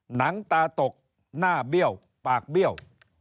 หนังตาตกหน้าเบี้ยวปากเบี้ยว